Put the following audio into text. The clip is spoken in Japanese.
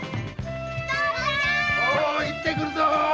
おう行ってくるぞ！